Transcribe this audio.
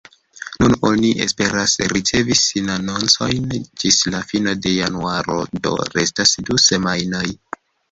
Nun oni esperas ricevi sinanoncojn ĝis la fino de januaro, do restas du semajnoj.